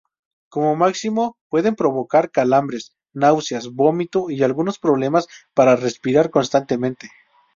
Como máximo, puede provocar calambres, náuseas, vómito y algunos problemas para respirar constantemente.